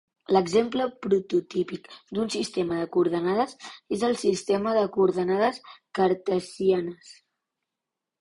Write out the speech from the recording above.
L'exemple prototípic d'un sistema de coordenades és el sistema de coordenades cartesianes.